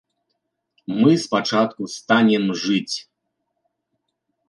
Мы спачатку станем жыць.